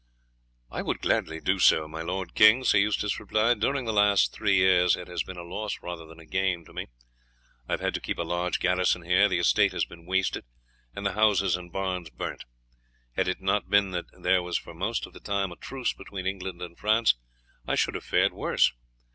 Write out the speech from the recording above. "I would gladly do so, my lord king," Sir Eustace replied. "During the last three years it has been a loss rather than a gain to me. I have had to keep a large garrison here; the estate has been wasted, and the houses and barns burned. Had it not been that there was for most of the time a truce between England and France I should have fared worse.